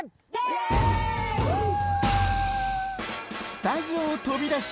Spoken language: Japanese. スタジオを飛び出し